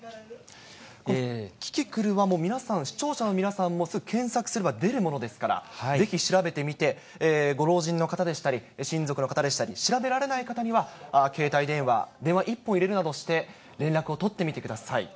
キキクルは、視聴者の皆さん、検索すれば出るものですから、ぜひ調べてみて、ご老人の方でしたり、親族の方でしたり、調べられない方には、携帯電話、電話一本入れるなどして、電話してみてください。